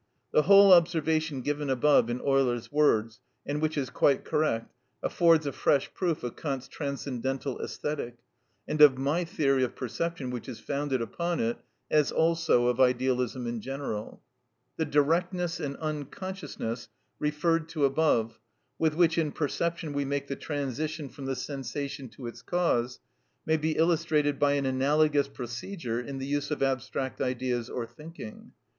The whole observation given above in Euler's words, and which is quite correct, affords a fresh proof of Kant's Transcendental Æsthetic, and of my theory of perception which is founded upon it, as also of idealism in general. The directness and unconsciousness referred to above, with which in perception we make the transition from the sensation to its cause, may be illustrated by an analogous procedure in the use of abstract ideas or thinking.